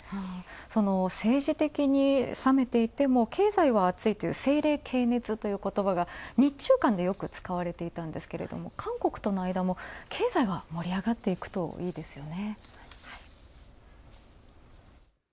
その政治的に冷めていても、経済は熱いという政冷経熱という言葉が日中間で、よく使われていたんですが、韓国との間も、経済は盛り上がっていくといいですよね。